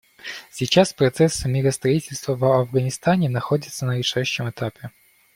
Сейчас процесс миростроительства в Афганистане находится на решающем этапе.